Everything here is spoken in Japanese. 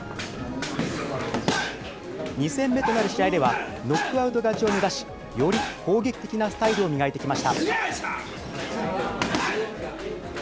２戦目となる試合では、ノックアウト勝ちを目指し、より攻撃的なスタイルを磨いてきました。